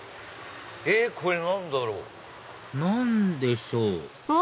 これ何だろう？何でしょう？